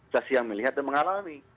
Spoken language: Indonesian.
saksi yang melihat dan mengalami